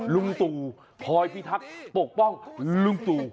รุ่งตูพลอยผิดทักครับปกป้องรุ่งตู